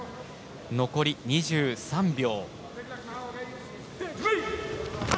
残り２３秒。